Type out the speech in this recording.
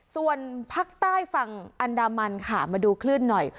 ส่วนภาคใต้ฝั่งอันดามันค่ะมาดูคลื่นหน่อย